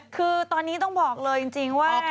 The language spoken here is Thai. คือตอนนี้ต้องบอกเลยจริงว่า